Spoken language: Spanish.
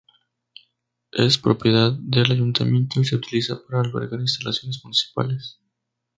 Es propiedad del Ayuntamiento y se utiliza para albergar instalaciones municipales.